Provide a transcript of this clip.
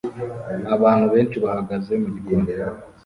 Abantu benshi bahagaze mugikoni